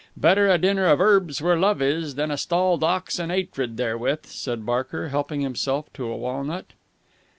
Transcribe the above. Better a dinner of 'erbs where love is than a stalled ox and 'atred therewith," said Barker, helping himself to a walnut.